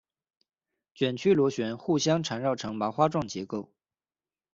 卷曲螺旋互相缠绕形成麻花状结构。